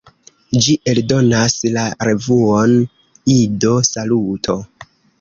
Ĝi eldonas la revuon "Ido-Saluto!